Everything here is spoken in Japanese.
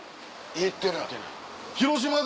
行ってない。